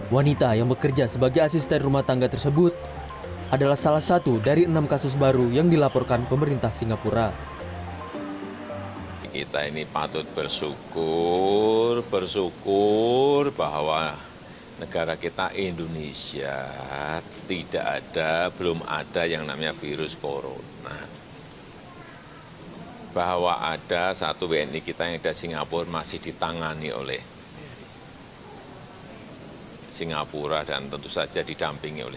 wanita yang bekerja sebagai asisten rumah tangga tersebut adalah salah satu dari enam kasus baru yang dilaporkan pemerintah singapura